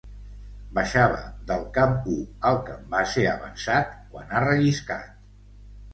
Baixava del camp u al camp base avançat quan ha relliscat.